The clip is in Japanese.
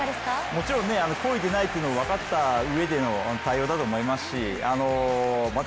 もちろん故意でないということは分かっての対応だと思いますしまた